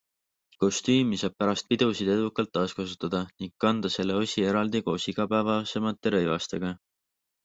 Kostüümi saab pärast pidusid edukalt taaskasutada ning kanda selle osi eraldi koos igapäevasemate rõivastega.